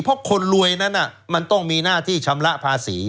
เพราะคนรวยนั้นมันต้องมีหน้าที่ชำระภาษี